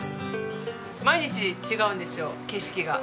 毎日違うんですよ景色が。